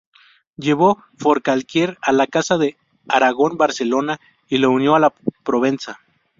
Llevó Forcalquier a la Casa de Aragón-Barcelona y lo unió a Provenza.